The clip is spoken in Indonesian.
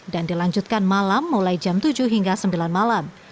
dan dilanjutkan malam mulai jam tujuh hingga sembilan malam